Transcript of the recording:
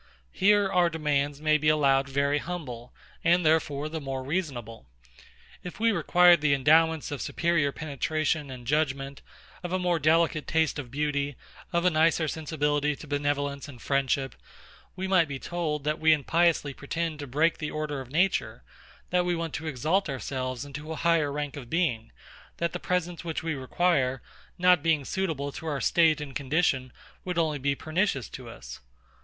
Here our demands may be allowed very humble, and therefore the more reasonable. If we required the endowments of superior penetration and judgement, of a more delicate taste of beauty, of a nicer sensibility to benevolence and friendship; we might be told, that we impiously pretend to break the order of Nature; that we want to exalt ourselves into a higher rank of being; that the presents which we require, not being suitable to our state and condition, would only be pernicious to us.